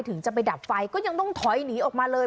ถึงจะไปดับไฟก็ยังต้องถอยหนีออกมาเลย